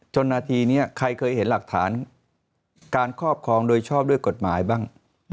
นาทีนี้ใครเคยเห็นหลักฐานการครอบครองโดยชอบด้วยกฎหมายบ้าง